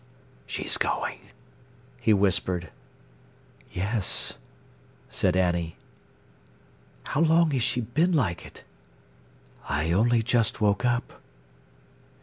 "She's going!" he whispered. "Yes," said Annie. "How long has she been like it?" "I only just woke up."